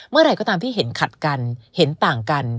เมื่อไหร่ก็ตามที่เห็นขัดกันเห็นต่างกัน